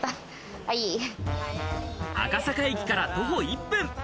赤坂駅から徒歩１分。